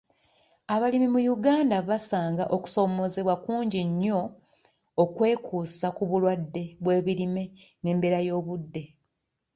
Abalimi mu Uganda basanga okusoomozeebwa kungi nnyo okwekuusa ku bulwadde bw'ebimera n'embeera y'obudde.